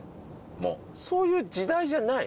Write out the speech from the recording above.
もうそういう時代じゃない？